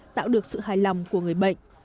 tạo được sự hài lòng của người bệnh